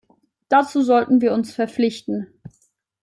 Dazu sollten wir uns verpflichten.